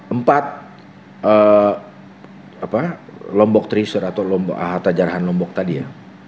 empat lombok trisor atau harta jarahan lombok tadi ya